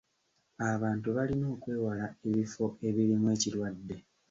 Abantu balina okwewala ebifo ebirimu ekirwadde.